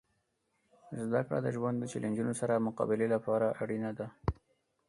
زدهکړه د ژوند د چیلنجونو سره مقابلې لپاره اړینه ده.